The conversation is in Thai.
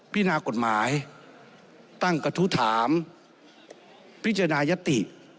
พินากฎหมายตั้งกระทู้ถามพิจารณายติ